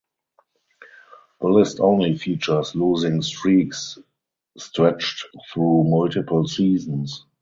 The list only features losing streaks stretched through multiple seasons.